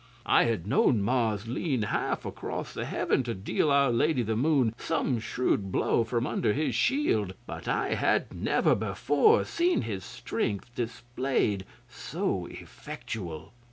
I had known Mars lean half across Heaven to deal our Lady the Moon some shrewd blow from under his shield, but I had never before seen his strength displayed so effectual.